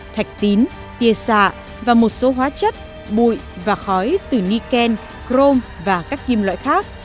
thạch tín tiê xạ và một số hóa chất bụi và khói từ niken chrome và các kim loại khác